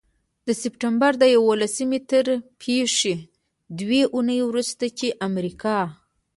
د سپټمبر د یوولسمې تر پيښو دوې اونۍ وروسته، چې امریکا